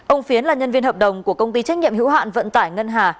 ông phiến là nhân viên hợp đồng của công ty trách nhiệm hữu hạn vận tải ngân hà